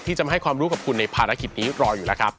ที่จะมาให้ความรู้กับคุณในภารกิจนี้รออยู่แล้วครับ